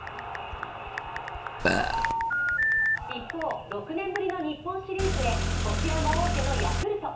一方、６年ぶりの日本シリーズへこちらも王手のヤクルト。